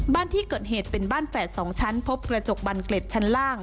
บ้านที่เกิดเหตุเป็นบ้านแฝด๒ชั้นพบกระจกบันเกล็ดชั้นล่าง